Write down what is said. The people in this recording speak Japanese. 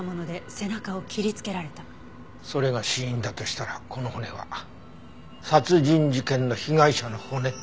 それが死因だとしたらこの骨は殺人事件の被害者の骨。